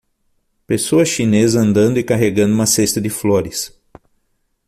Pessoa chinesa andando e carregando uma cesta de flores.